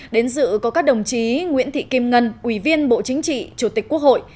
đến dự có các đồng chí nguyễn thị kim ngân ủy viên bộ chính trị chủ tịch quốc hội